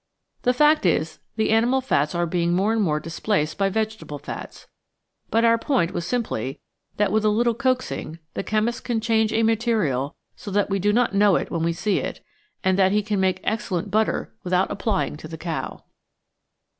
The fact is the animal fats are being more and more displaced by vegetable fats. But our point was simply that with a little coaxing the chemist can change a material so that we do not know it when we see it, and that he can make excellent butter without applying to the cow.